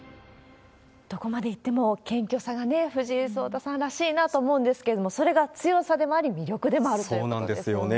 どこまでいっても謙虚さがね、藤井聡太さんらしいなと思うんですけれども、それが強さでもあり、魅力でもあるということなんですよね。